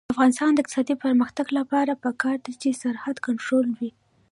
د افغانستان د اقتصادي پرمختګ لپاره پکار ده چې سرحد کنټرول وي.